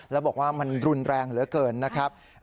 แล้วบอกว่ามันรุนแรงเหลือเกินนะครับ